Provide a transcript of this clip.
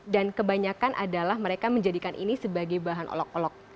dan kebanyakan adalah mereka menjadikan ini sebagai bahan olok olok